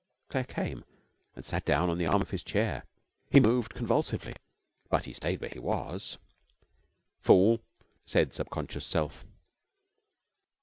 Claire came and sat down on the arm of his chair. He moved convulsively, but he stayed where he was. 'Fool!' said Subconscious Self.